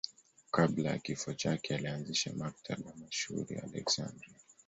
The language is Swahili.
Kabla ya kifo chake alianzisha Maktaba mashuhuri ya Aleksandria.